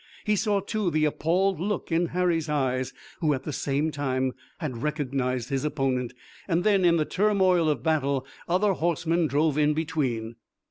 He saw, too, the appalled look in Harry's eyes, who at the same time had recognized his opponent, and then, in the turmoil of battle, other horsemen drove in between.